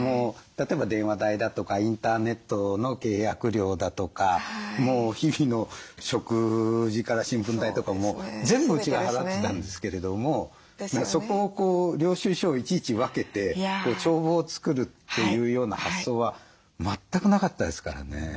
例えば電話代だとかインターネットの契約料だとか日々の食事から新聞代とかも全部うちが払ってたんですけれどもそこをこう領収書をいちいち分けて帳簿を作るっていうような発想は全くなかったですからね。